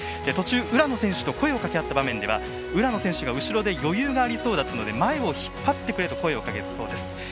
途中、浦野選手と声をかけ合った場面では浦野選手が後ろで余裕がありそうだったので前を引っ張ってくれと声をかけたそうです。